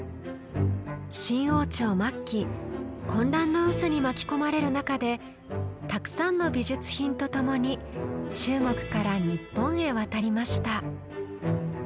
清王朝末期混乱の渦に巻き込まれる中でたくさんの美術品とともに中国から日本へ渡りました。